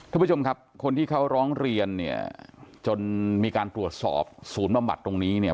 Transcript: ทุกผู้ชมครับคนที่เขาร้องเรียนจนมีการตรวจสอบศูนย์บำบัดตรงนี้เนี่ย